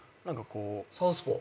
サウスポー？